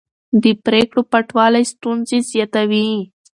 د پرېکړو پټوالی ستونزې زیاتوي